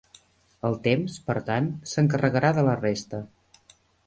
El temps, per tant, s’encarregarà de la resta.